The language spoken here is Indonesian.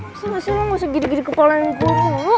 masa gak sih lo masuk gede gede kepulauan gue dulu